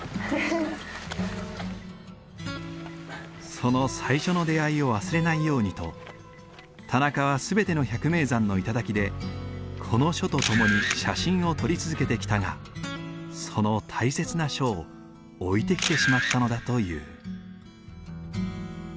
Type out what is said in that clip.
その最初の出会いを忘れないようにと田中は全ての百名山の頂でこの書と共に写真を撮り続けてきたがその大切な書を置いてきてしまったのだという。